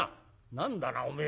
「何だなおめえは。